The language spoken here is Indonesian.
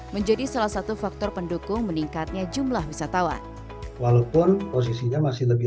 menjadi salah satu faktor pendukung meningkatnya jumlah wisatawan walaupun posisinya masih lebih